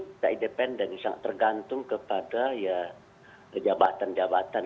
tidak independen sangat tergantung kepada ya jabatan jabatan